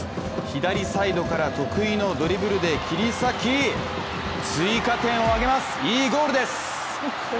左サイドから得意のドリブルで切り裂き、追加点を挙げます、いいゴールです！